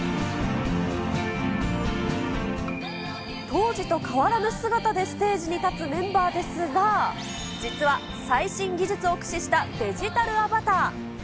当時と変わらぬ姿でステージに立つメンバーですが、実は最新技術を駆使したデジタル・アバター。